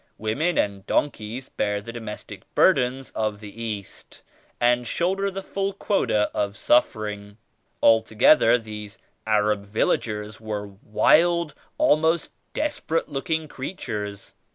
Women and donkeys bear the domestic burdens of the East 65 and shoulder the full quota of suffering. Al together these Arab villagers were wild, almost desperate looking creatures.